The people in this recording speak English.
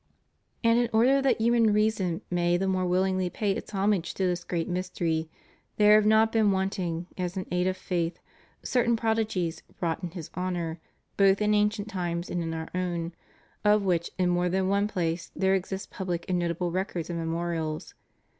And in order that human reason may the more willingly pay its homage to this great myster\^, there have not been wanting, as an aid to faith, certain prodigies wrought in His honor, both in ancient times and in our own, of which in more than one place there exist public and notable records and memorials.